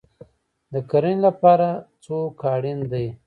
د کرنې لپاره څوک اړین دی؟